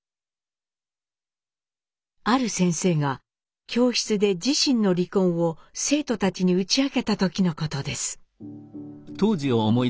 ある先生が教室で自身の離婚を生徒たちに打ち明けた時のことです。